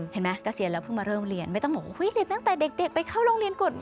เห็นมั้ยก็เสียแล้วเพิ่งมาเริ่มเรียนไม่ต้องบอกว่าเฮ้ยเรียนตั้งแต่เด็กไปเข้าโรงเรียนก่อน